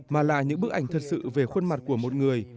mà là những bức ảnh thật sự về khuôn mặt của một người